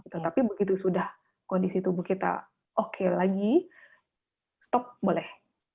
tetapi begitu sudah kondisi tubuh kita oke lagi stop boleh